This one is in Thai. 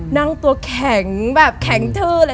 นั่งตัวแข็งแบบแข็งทื้อเลย